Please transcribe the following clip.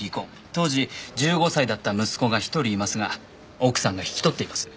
当時１５歳だった息子が１人いますが奥さんが引き取っています。